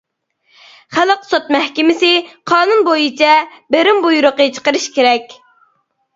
خەلق سوت مەھكىمىسى قانۇن بويىچە بېرىم بۇيرۇقى چىقىرىشى كېرەك.